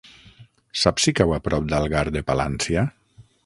Saps si cau a prop d'Algar de Palància?